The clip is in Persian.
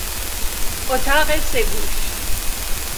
اتاق سه گوش